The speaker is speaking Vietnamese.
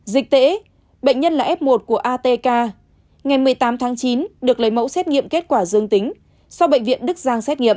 dịch tễ bệnh nhân là f một của atk ngày một mươi tám tháng chín được lấy mẫu xét nghiệm kết quả dương tính sau bệnh viện đức giang xét nghiệm